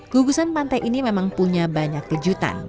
gugusan pantai ini memang punya banyak kejutan